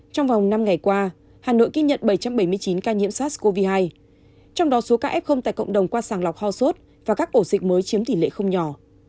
trong vòng năm ngày qua hà nội ghi nhận bảy trăm bảy mươi chín ca nhiễm sars cov hai trong đó số ca f tại cộng đồng qua sàng lọc ho sốt và các ổ dịch mới chiếm tỷ lệ không nhỏ